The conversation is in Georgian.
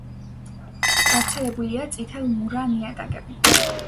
გავრცელებულია წითელ-მურა ნიადაგები.